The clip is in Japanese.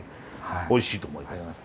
おいしいと思います。